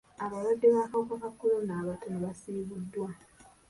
Abalwadde b'akawuka ka kolona abatono baasibuddwa.